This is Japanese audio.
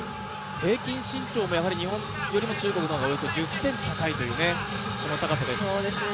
平均身長も日本よりも中国の方がおよそ１０ｃｍ高いんですね。